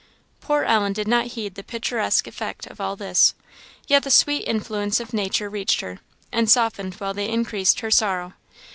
Poor Ellen did not heed the picturesque effect of all this, yet the sweet influences of nature reached her, and softened while they increased her sorrow.